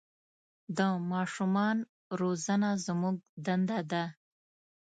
د ماشومان روزنه زموږ دنده ده.